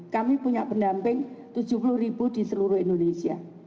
kami punya pendamping rp tujuh puluh di seluruh indonesia